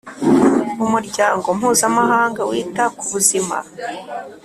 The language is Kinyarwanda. Umuryango mpuzamahanga wita ku buzima